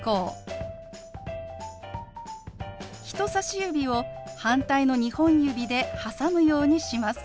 人さし指を反対の２本指で挟むようにします。